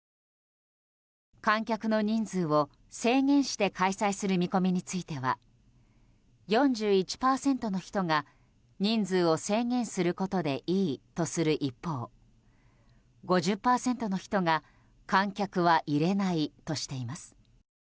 観客の人数を制限して開催する見込みについては４１％の人が、人数を制限することでいいとする一方５０％の人が観客は入れないとしています。